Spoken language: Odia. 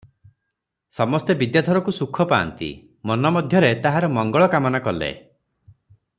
ସମସ୍ତେ ବିଦ୍ୟାଧରକୁ ସୁଖ ପାନ୍ତି, ମନ ମଧ୍ୟରେ ତାହାର ମଂଗଳକାମନା କଲେ ।